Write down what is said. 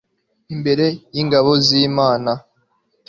imbere y'ingabo z'imana